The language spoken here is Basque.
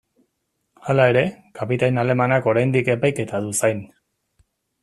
Hala ere, kapitain alemanak oraindik epaiketa du zain.